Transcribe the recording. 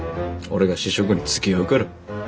俺が試食につきあうから。